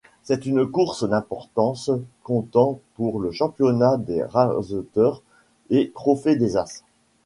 C'est une course d'importance comptant pour le championnat des raseteurs, le Trophée des As.